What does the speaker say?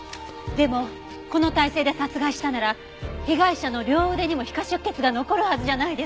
でもこの体勢で殺害したなら被害者の両腕にも皮下出血が残るはずじゃないですか。